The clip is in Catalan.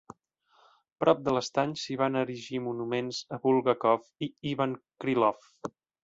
Prop de l'estany s'hi van erigir monuments a Bulgakov i a Ivan Krylov.